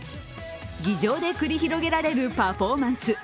議場で繰り広げられるパフォーマンス。